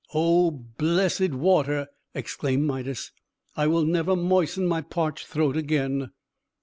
"O blessed water!" exclaimed Midas. "I will never moisten my parched throat again!"